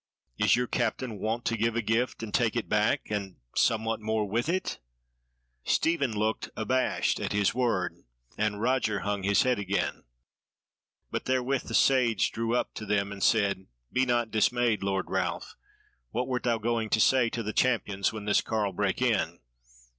Is your Captain wont to give a gift and take it back...and somewhat more with it?" Stephen looked abashed at his word; and Roger hung his head again. But therewith the Sage drew up to them and said: "Be not dismayed, Lord Ralph. What wert thou going to say to the Champions when this carle brake in?"